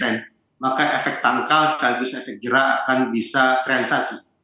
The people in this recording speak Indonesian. maka efek tangkal sekaligus efek jerah akan bisa terrealisasi